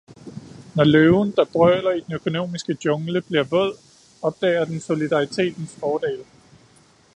Når løven, der brøler i den økonomiske jungle, bliver våd, opdager den solidaritetens fordele.